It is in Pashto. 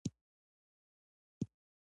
په کې د خپل زوی اورنګزیب له امله بندي و